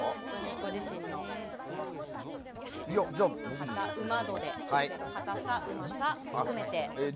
ご自身のカタうま度でかたさ、うまさ含めて。